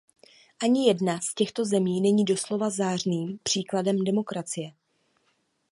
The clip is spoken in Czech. Ani jedna z těchto zemí není doslova zářným příkladem demokracie.